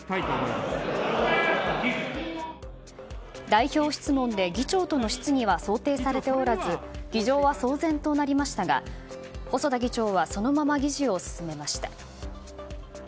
代表質問で議長との質疑は想定されておらず議場は騒然となりましたが細田議長はそのまま議事を進めました。